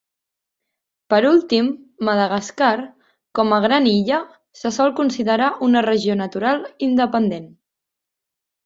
Per últim, Madagascar, com a gran illa, se sol considerar una regió natural independent.